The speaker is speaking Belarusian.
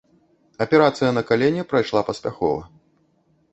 Аперацыя на калене прайшла паспяхова.